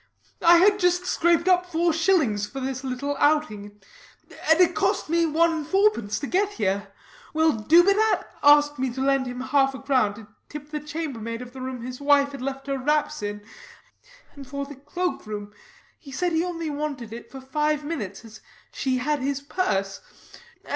I had just scraped up four shillings for this little outing; and it cost me one and fourpence to get here. Well, Dubedat asked me to lend him half a crown to tip the chambermaid of the room his wife left her wraps in, and for the cloakroom. He said he only wanted it for five minutes, as she had his purse.